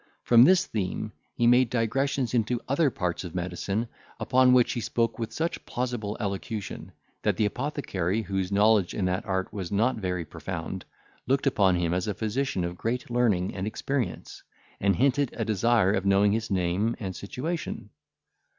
From this theme, he made digressions into other parts of medicine, upon which he spoke with such plausible elocution, that the apothecary, whose knowledge in that art was not very profound, looked upon him as a physician of great learning and experience, and hinted a desire of knowing his name and situation.